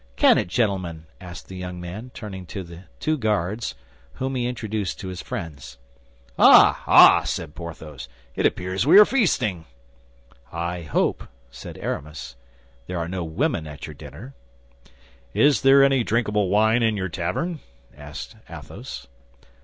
Can it, gentlemen?" added the young man, turning to the two Guards, whom he introduced to his friends. "Ah, ah!" said Porthos, "it appears we are feasting!" "I hope," said Aramis, "there are no women at your dinner." "Is there any drinkable wine in your tavern?" asked Athos.